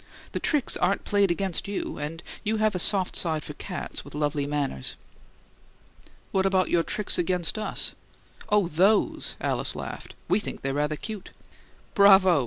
The tricks aren't played against you, and you have a soft side for cats with lovely manners!" "What about your tricks against us?" "Oh, those!" Alice laughed. "We think they're rather cute!" "Bravo!"